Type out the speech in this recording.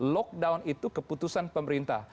lockdown itu keputusan pemerintah